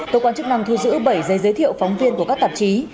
cơ quan chức năng thu giữ bảy giấy giới thiệu phóng viên của các tạp chí